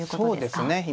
そうですね。